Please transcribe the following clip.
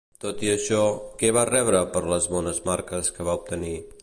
Tot i això, què va rebre per les bones marques que va obtenir?